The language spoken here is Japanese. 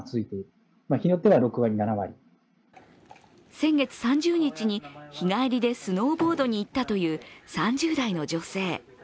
先月３０日に、日帰りでスノーボードに行ったという３０代の女性。